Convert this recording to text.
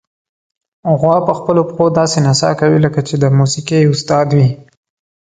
غوا په خپلو پښو داسې نڅا کوي، لکه چې د موسیقۍ استاد وي.